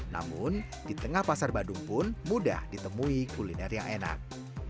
namun di tengah pasar badung pun mudah ditemui kuliner yang enak